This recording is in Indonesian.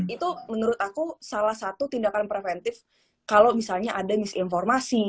itu menurut aku salah satu tindakan preventif kalau misalnya ada misinformasi